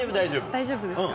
大丈夫ですか？